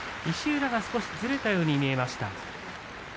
石浦が少しずれたように見えました。